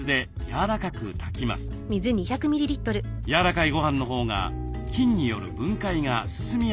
やわらかいごはんのほうが菌による分解が進みやすいそうです。